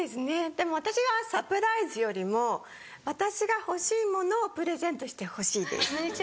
でも私はサプライズよりも私が欲しいものをプレゼントしてほしいです。